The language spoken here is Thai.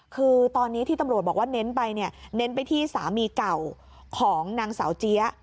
คือตอนนี้ที่ตำรวจบอกว่าเน้นไปเนี่ยเน้นไปที่สามีเก่าของนางสาวเจี๊ยะ